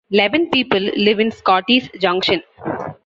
Eleven people live in Scotty's Junction.